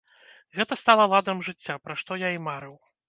Гэта стала ладам жыцця, пра што я і марыў.